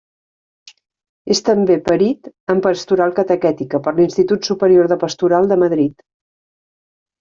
És també perit en Pastoral Catequètica per l'Institut Superior de Pastoral de Madrid.